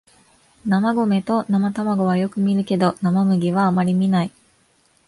生米と生卵はよく見るけど生麦はあまり見ない